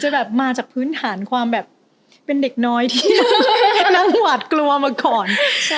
แบบมาจากพื้นฐานความแบบเป็นเด็กน้อยที่นั่งหวาดกลัวมาก่อน